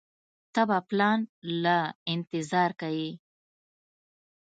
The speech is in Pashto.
ته به پلان له انتظار کيې.